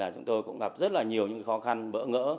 chúng tôi cũng gặp rất là nhiều những khó khăn vỡ ngỡ